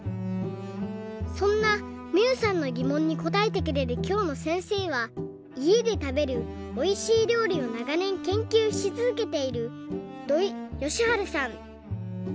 そんなみゆさんのぎもんにこたえてくれるきょうのせんせいはいえでたべるおいしいりょうりをながねんけんきゅうしつづけている土井善晴さん。